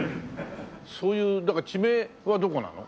そういう地名はどこなの？